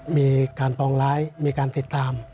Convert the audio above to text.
มีการปองร้ายมีการติดตาม